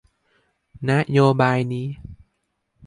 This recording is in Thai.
นโยบายนี้